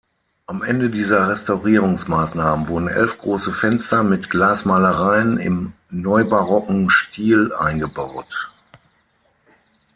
Am Ende dieser Restaurierungsmaßnahmen wurden elf große Fenster mit Glasmalereien im neubarocken Stil eingebaut.